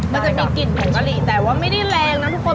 มันจะมีกลิ่นผงกะหรี่แต่ว่าไม่ได้แรงนะทุกคน